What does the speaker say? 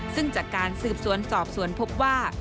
ซึ่งจากการสืบสวนสอบสวนพบว่า